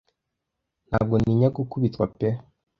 ntabwo ntinya gukubitwa pe